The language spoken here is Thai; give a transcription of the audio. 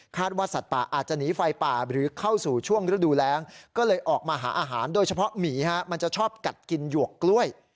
ว่าสัตว์ป่าอาจจะหนีไฟป่าหรือเข้าสู่ช่วงฤดูแรงก็เลยออกมาหาอาหารโดยเฉพาะหมีฮะมันจะชอบกัดกินหยวกกล้วย